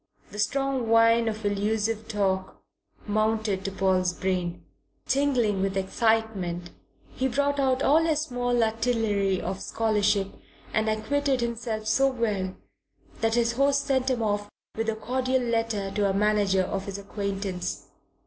The strong wine of allusive talk mounted to Paul's brain. Tingling with excitement, he brought out all his small artillery of scholarship and acquitted himself so well that his host sent him off with a cordial letter to a manager of his acquaintance.